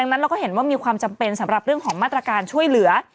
นั้นเราก็เห็นว่ามีความจำเป็นสำหรับเรื่องของมาตรการช่วยเหลือ